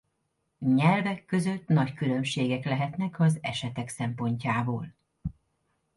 Nyelvek között nagy különbségek lehetnek az esetek szempontjából.